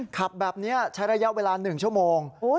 ขับแบบนี้ใช้ระยะเวลา๑ชั่วโมง